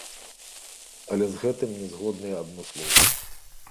Але з гэтым не згодныя адмыслоўцы.